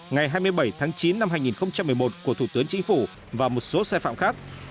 ngày hai mươi bảy tháng chín năm hai nghìn một mươi một của thủ tướng chính phủ và một số sai phạm khác